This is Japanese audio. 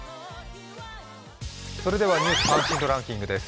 それでは「ニュース関心度ランキング」です。